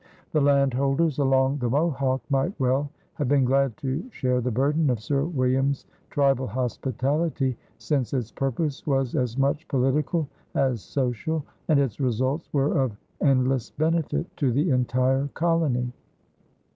The landholders along the Mohawk might well have been glad to share the burden of Sir William's tribal hospitality, since its purpose was as much political as social and its results were of endless benefit to the entire colony.